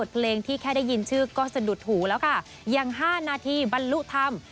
เพลงที่แค่ได้ยินชื่อก็สะดุดหูแล้วค่ะอย่าง๕นาทีบรรลุธรรม